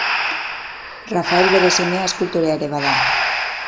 Rafael bere semea eskultorea ere bada.